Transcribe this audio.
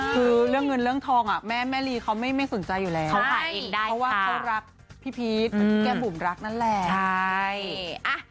คือเรื่องเงินเรื่องทองอะแม่ลีมันไม่สนใจอยู่และเค้ารักพี่พีชเหมือนแก้มบุ๋มรักนั่นแหละ